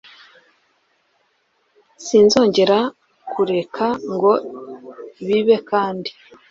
Sinzongera kureka ngo bibe kandi .